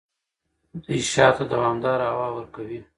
دوی شاتو ته دوامداره هوا ورکوي.